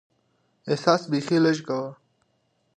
احساس بیخي لږ کوو.